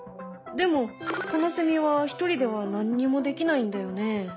でもこのセミは一人では何にもできないんだよね。